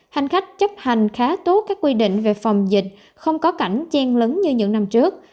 hành khách chấp hành khá tốt các quy định về phòng dịch không có cảnh chen lấn như những năm trước